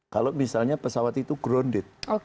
kalau misalnya pesawat itu grounded